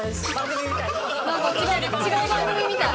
違う番組みたい。